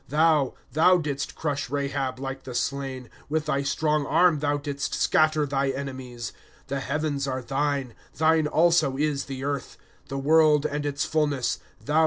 ^^ Thou, thou didst crush Rahab like the slain ; With thy strong arm thou didst scatter thy enemies. " The heavens are thine ; thine also is the earth ; The world and its fullness, thou didst found them.